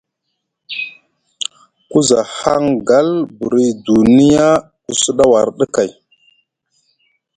Ku za hangal buri dunya ku sɗa warɗi kay.